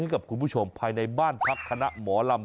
กับคุณผู้ชมภายในบ้านพักคณะหมอลำ